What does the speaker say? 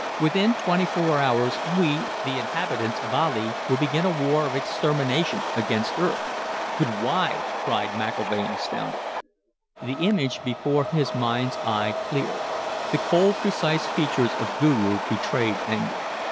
Within twenty four hours, we, the inhabitants of Ahli, will begin a war of extermination against Earth...." "But, why?" cried McIlvaine, astounded. The image before his mind's eye cleared. The cold, precise features of Guru betrayed anger.